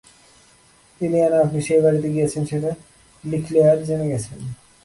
Ileana, আপনি সেই বাড়িতে গিয়েছেন সেটা লিক্লেয়ার জেনে গেছেন।